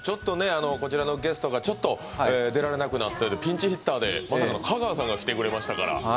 こちらのゲストがちょっと出られなくなってピンチヒッターでまさかの香川さんが来てくれましたから。